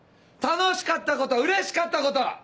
楽しかったことうれしかったこと！